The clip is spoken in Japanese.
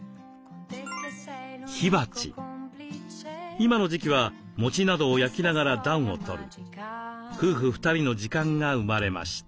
今の時期は餅などを焼きながら暖を取る夫婦２人の時間が生まれました。